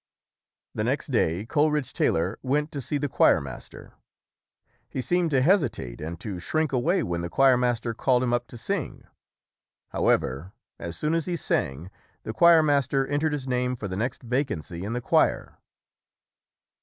The next day Coleridge Taylor went to see the choirmaster. He seemed to hesitate and to shrink away when the choirmaster called him up to sing. However, as soon as he sang, flie choirmaster en tered his name for the next vacancy in the choir.